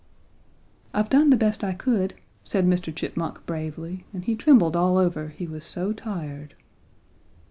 "'I've done the best I could,' said Mr. Chipmunk bravely, and he trembled all over, he was so tired.